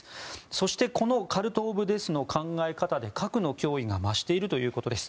そして、このカルト・オブ・デスの考え方で核の脅威が増しているということです。